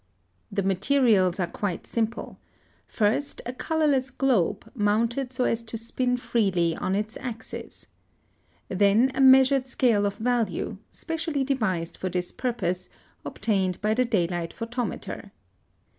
] (103) The materials are quite simple. First a colorless globe, mounted so as to spin freely on its axis. Then a measured scale of value, specially devised for this purpose, obtained by the daylight photometer.